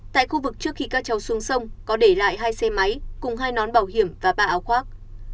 tại khu vực trước khi các cháu xuống sông có để lại hai xe máy cùng hai nón bảo hiểm và ba áo khoác